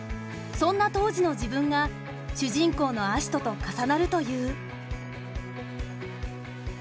そんな当時の自分が主人公の葦人と重なるという。